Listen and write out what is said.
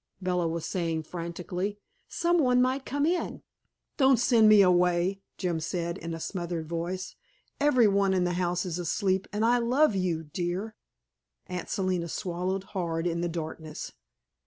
Bella was saying frantically. "Some one might come in." "Don't send me away," Jim said in a smothered voice. "Every one in the house is asleep, and I love you, dear." Aunt Selina swallowed hard in the darkness.